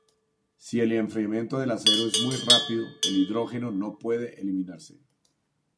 Si el enfriamiento del acero es muy rápido, el hidrógeno no puede eliminarse.